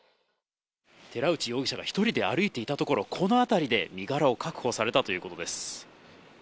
寺内容疑者が１人で歩いていたところ、この辺りで身柄を確保されたということです。